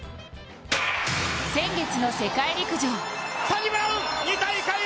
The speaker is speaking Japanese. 先月の世界陸上。